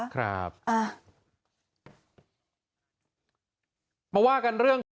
มาว่ากันเรื่อง